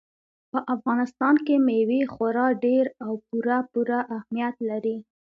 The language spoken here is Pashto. په افغانستان کې مېوې خورا ډېر او پوره پوره اهمیت لري.